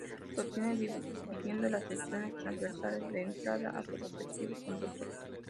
Se obtiene dividiendo las secciones transversales de entrada a sus respectivos conductos.